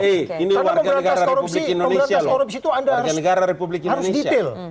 karena memberantas korupsi itu anda harus detail